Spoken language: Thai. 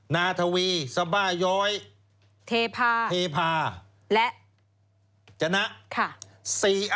นาทวีสบาย้อยเทพาเทพาและจนะ